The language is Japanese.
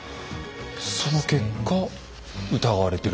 その結果疑われてる。